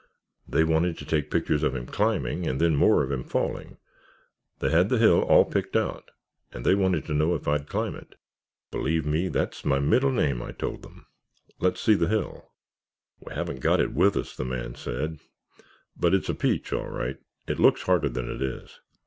They wanted to take pictures of him climbing and then more of him falling. They had the hill all picked out and they wanted to know if I'd climb it. "'Believe me, that's my middle name,' I told them. 'Let's see the hill.' "'We haven't got it with us,' the man said, 'but it's a peach, all right—it looks harder than it is.